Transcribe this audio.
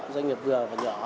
doanh nghiệp vừa và nhỏ